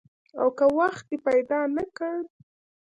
او که وخت دې پیدا نه کړ؟